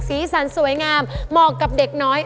สีสันสวยงามเหมาะกับเด็กน้อย